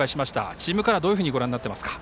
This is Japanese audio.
チームカラー、どんなふうにご覧になっていますか。